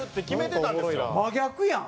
真逆やん。